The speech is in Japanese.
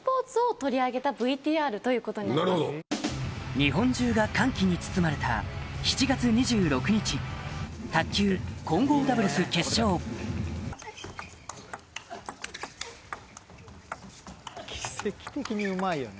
日本中が歓喜に包まれた７月２６日卓球混合ダブルス決勝奇跡的にうまいよね。